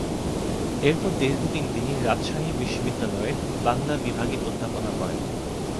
এরপর দীর্ঘদিন তিনি রাজশাহী বিশ্ববিদ্যালয়ের বাংলা বিভাগে অধ্যাপনা করেন।